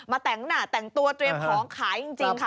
แต่งหน้าแต่งตัวเตรียมของขายจริงค่ะ